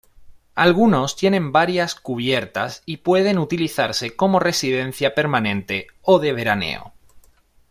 Algunos tienen varias cubiertas y pueden utilizarse como residencia permanente o de veraneo.